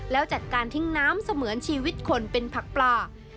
แล้วจัดการทิ้งน้ำเสมือนชีวิตคนเป็นผักปลา